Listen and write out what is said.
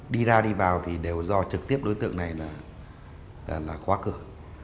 đi ra đi vào thì đều do trực tiếp đối tượng này là khóa cửa